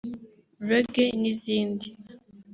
Reggae n’izindi